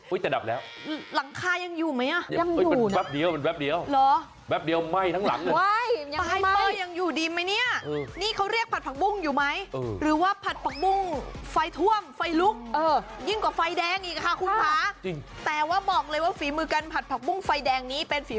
โอ้โหคุณดูนะเวลาจะเทผัดผักมุ้งลงไป